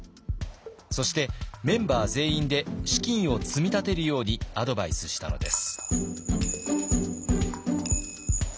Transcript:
そしてメンバー全員で資金を積み立てるようにアドバイスしたのです。